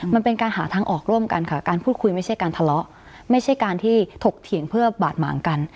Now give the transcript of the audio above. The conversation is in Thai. มันเป็นการหาทางออกร่วมกันค่ะการพูดคุยไม่ใช่การทะเลาะไม่ใช่การที่ถกเถียงเพื่อบาดหมางกัน